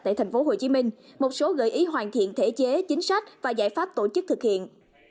tại tp hcm một số gợi ý hoàn thiện thể chế chính sách và giải pháp tổ chức thực hiện